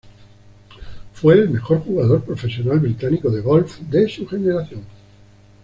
Fue el mejor jugador profesional británico de golf de su generación.